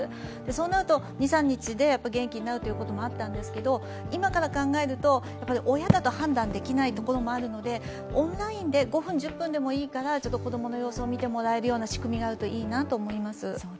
そうなると、２３日で元気になるということもあったんですけど、今から考える親だと判断できないところもあるので、オンラインで５分１０分でいいから、子供の様子を診てもらえる仕組みがあるといいなと思います。